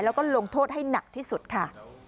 แล้วก็ลงโทษให้หนักที่สุดค่ะ